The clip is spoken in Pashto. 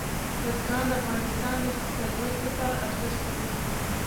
بزګان د افغانستان د اقتصادي ودې لپاره ارزښت لري.